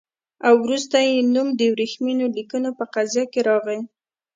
او وروسته یې نوم د ورېښمینو لیکونو په قضیه کې راغی.